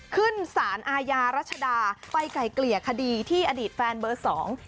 ขึ้นสารอาญารัชดาไปไกลเกลี่ยคดีที่อดีตแฟนเบอร์สอง